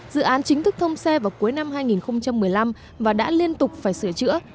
dự án chính thức thông xe vào cuối năm hai nghìn một mươi năm và đã liên tục phải sửa chữa